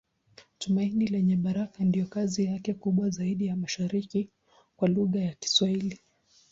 Tumaini Lenye Baraka ndiyo kazi yake kubwa zaidi ya mashairi kwa lugha ya Kiswahili.